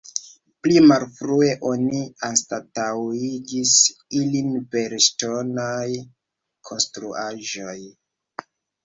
Pli malfrue oni anstataŭigis ilin per ŝtonaj konstruaĵoj.